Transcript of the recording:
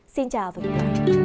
xin chào và hẹn gặp lại